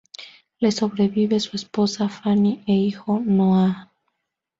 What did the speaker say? Le sobreviven su esposa Fannie e hijo Noah.